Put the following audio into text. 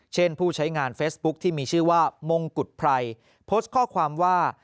ผู้ใช้งานเฟซบุ๊คที่มีชื่อว่ามงกุฎไพรโพสต์ข้อความว่า